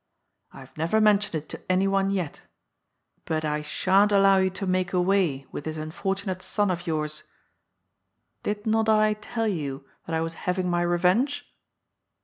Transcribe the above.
I have never mentioned it to anyone yet But I sha'n't allow you to make away with this un DR. PILLENAAB'S REVENGE. 77 fortunate son of yours. Did not I tell you that I was hay* ing my reyenge